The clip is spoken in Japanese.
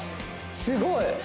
すごい！